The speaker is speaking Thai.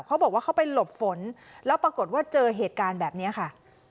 เขาบอกว่าเขาไปหลบฝนแล้วปรากฏว่าเจอเหตุการณ์แบบนี้ค่ะ